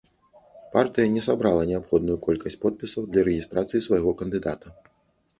Партыя не сабрала неабходную колькасць подпісаў для рэгістрацыі свайго кандыдата.